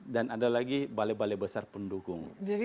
dan ada lagi balai balai besar pendukung